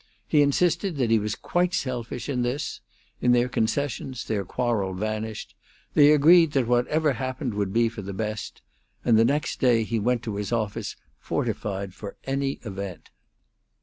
He insisted that he was quite selfish in this; in their concessions their quarrel vanished; they agreed that whatever happened would be for the best; and the next day he went to his office fortified for any event.